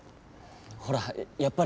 ほらやっぱり。